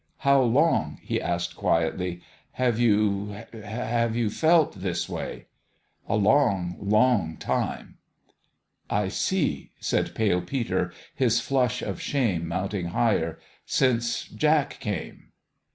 How long," he asked, quietly, " have you have you felt this way?" " A long, long time." " I see," said Pale Peter, his flush of shame mounting higher. " Since Jack came